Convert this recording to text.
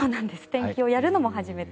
天気をやるのも初めて。